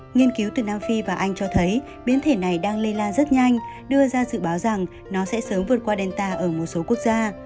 nghiên cứu từ nam phi và anh cho thấy biến thể này đang lây lan rất nhanh đưa ra dự báo rằng nó sẽ sớm vượt qua delta ở một số quốc gia